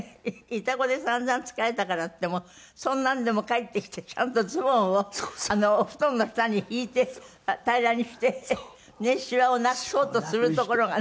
イタコで散々疲れたからってそんなんでも帰ってきてちゃんとズボンをお布団の下に敷いて平らにしてねえシワをなくそうとするところがね。